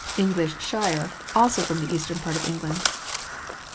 English Shire, also from the eastern part of England.